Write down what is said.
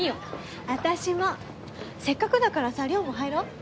せっかくだからさ稜も入ろう。